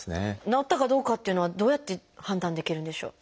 治ったかどうかっていうのはどうやって判断できるんでしょう？